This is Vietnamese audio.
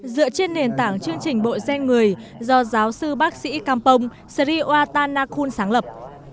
dựa trên nền tảng chương trình bộ gen người do giáo sư bác sĩ campong sriwatana kun sáng lập